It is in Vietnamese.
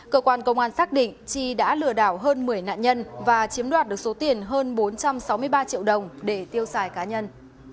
cơ quan công an xác định chi đã lừa đảo hơn một mươi nạn nhân và chiếm đoạt được số tiền hơn bốn trăm sáu mươi ba triệu đồng để tiêu xài cá nhân